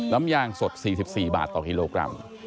น้ำยางสด๔๔บาทต่อกิโลกรัม